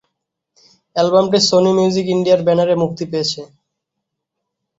অ্যালবামটি Sony Music ইন্ডিয়ার ব্যানারে মুক্তি পেয়েছে।